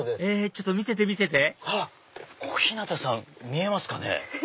ちょっと見せて見せて小日向さん見えますかね。